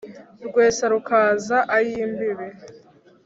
Rwesa rukaza ay' imbibi